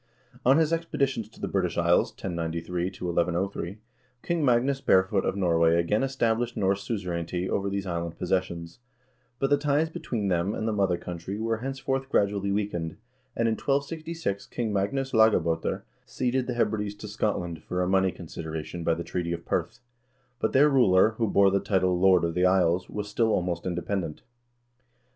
On his expeditions to the British Isles, 1093 1103, King Magnus Barefoot of Norway again established Norse suzerainty over these island possessions, but the ties between them and the mother country were henceforth gradually weakened, and in 1266 King Magnus Lagab0ter ceded the Hebrides to Scotland for a money consideration by the treaty of Perth, but their ruler, who bore the title " Lord of the Isles," was still almost independent.